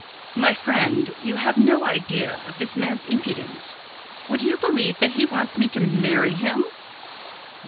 "My friend, you have no idea of that man's impudence. Would you believe that he wants me to marry him?"